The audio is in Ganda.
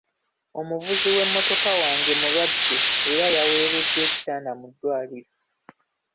Omuvuzi w'emmotoka wange mulwadde era yaweereddwa ekitanda mu ddwaliro.